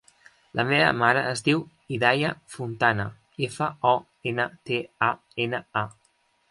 La meva mare es diu Hidaya Fontana: efa, o, ena, te, a, ena, a.